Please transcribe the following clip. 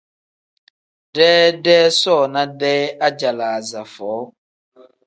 Deedee soona-dee ajalaaza foo.